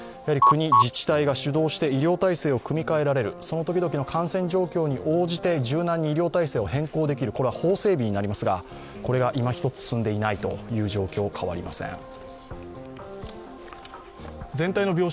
国・自治体が主導して医療体制を組み換えられるその時々の感染状況に応じて柔軟に医療体制を変更できる、これは法整備になりますが、これがいま一つ進んでいないという状況は変わりません。